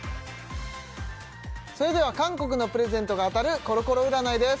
それでは韓国のプレゼントが当たるコロコロ占いです